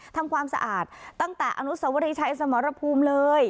ทำความสะอาดตั้งแต่อนุสวรีชัยสมรภูมิเลย